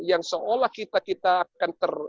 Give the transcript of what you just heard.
yang seolah kita akan